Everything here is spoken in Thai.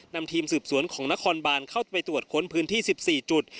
นำทีมสืบสวนของนครบานเข้าไปตรวจค้นพื้นที่๑๔จุด